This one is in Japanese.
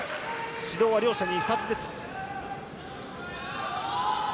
指導は両者、２つずつ。